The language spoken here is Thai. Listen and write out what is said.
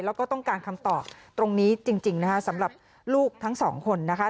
แล้วก็ต้องการคำตอบตรงนี้จริงนะคะสำหรับลูกทั้งสองคนนะคะ